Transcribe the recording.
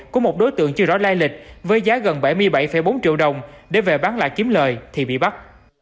của một đối tượng chưa rõ lai lịch với giá gần bảy mươi bảy bốn triệu đồng để về bán lại kiếm lời thì bị bắt